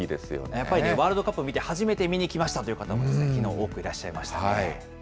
やっぱりね、ワールドカップ見て、初めて見に来ましたという方、きのう、多くいらっしゃいましたね。